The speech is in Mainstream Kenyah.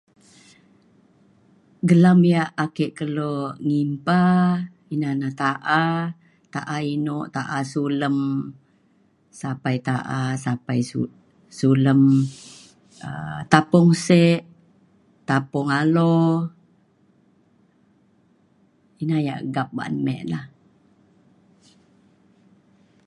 Gelam yak ake kelo ngimpa ina na ta’a. Ta’a eno ta’a sulem sapai ta’a sapai su- sulem um tapung se’ tapung alo ina yak gap ba’an me lah.